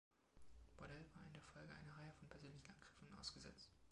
Bordel war in der Folge einer Reihe von persönlichen Angriffen ausgesetzt.